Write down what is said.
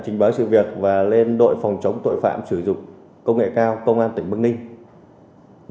trình báo sự việc và lên đội phòng chống tội phạm sử dụng công nghệ cao công an tỉnh bắc ninh